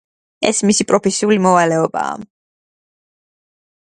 ეს მისი პროფესიული მოვალეობაა.